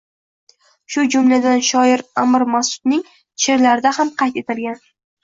shu jumladan, shoir Amir Masudning she’rlarida ham qayd etilgan.